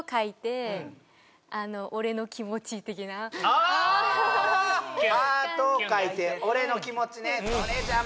ああハートを書いて俺の気持ちねおい！